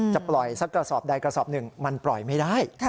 จะปล่อยสักกระสอบใดกระสอบหนึ่งมันปล่อยไม่ได้